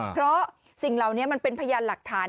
เพราะสิ่งเหล่านี้มันเป็นพยานหลักฐาน